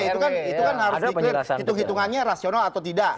itu kan harus dikira hitung hitungannya rasional atau tidak